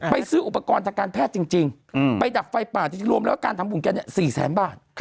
ซื้ออุปกรณ์ทางการแพทย์จริงไปดับไฟป่าจริงรวมแล้วการทำบุญแกเนี่ย๔แสนบาท